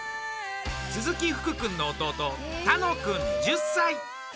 鈴木福君の弟楽君、１０歳。